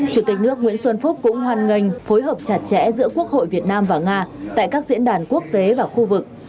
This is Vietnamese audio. chủ tịch nước nguyễn xuân phúc cũng hoan nghênh phối hợp chặt chẽ giữa quốc hội việt nam và nga tại các diễn đàn quốc tế và khu vực